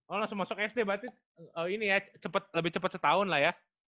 oh langsung masuk sd berarti ini ya lebih cepat setahun lah ya